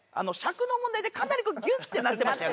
尺の問題でかなりこうギュってなってましたよね。